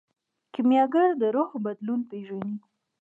کیمیاګر د روح بدلون پیژني.